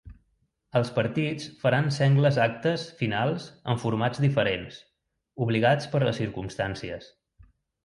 Els partits faran sengles actes finals en formats diferents, obligats per les circumstàncies.